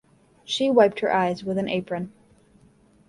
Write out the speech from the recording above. She wiped her eyes with an apron.